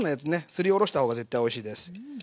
すりおろした方が絶対おいしいです。